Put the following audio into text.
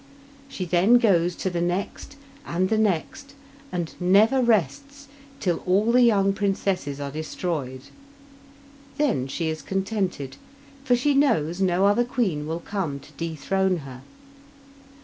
She then goes to the next, and the next, and never rests till all the young princesses are destroyed. Then she is contented, for she knows no other queen will come to dethrone her.